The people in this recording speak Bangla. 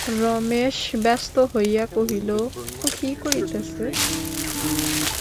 রমেশ ব্যস্ত হইয়া কহিল, ও কী করিতেছ?